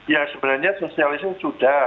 ya sebenarnya sosialisasi sudah